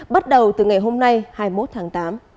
bắt đầu từ ngày hôm nay hai mươi một tháng tám